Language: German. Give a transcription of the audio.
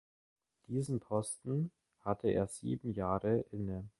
Diesen Posten hatte er sieben Jahre inne.